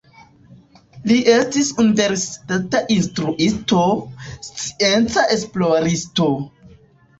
Li estis universitata instruisto, scienca esploristo.